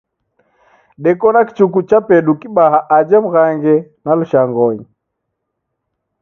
Deko na kichuku chapedu kibaha aja Mghange na Lushangonyi.